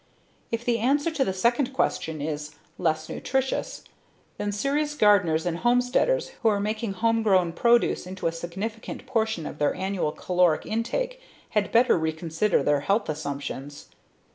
If the answer to the second question is less nutritious, then serious gardeners and homesteaders who are making home grown produce into a significant portion of their annual caloric intake had better reconsider their health assumptions.